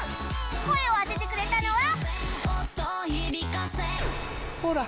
声を当ててくれたのは